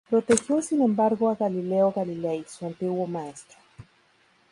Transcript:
Protegió sin embargo a Galileo Galilei, su antiguo maestro.